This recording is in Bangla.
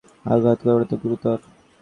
আঘাত কতটা গুরুতর?